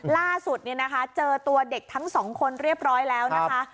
ล่าสุดเจอตัวเด็กทั้งสองคนเรียบร้อยแล้วนะคะ